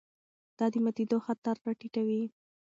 دا د ماتېدو خطر راټیټوي.